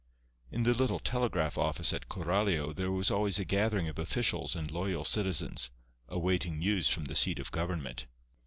In the little telegraph office at Coralio there was always a gathering of officials and loyal citizens, awaiting news from the seat of government.